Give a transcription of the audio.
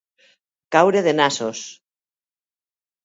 Caure de nassos.